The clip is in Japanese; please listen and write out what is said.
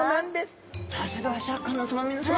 さあそれではシャーク香音さま皆さま。